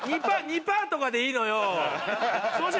２パーとかでいいのよ。